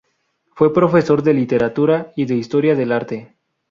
Fue Profesor de Literatura y de Historia del Arte.